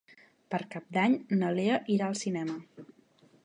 Per Cap d'Any na Lea irà al cinema.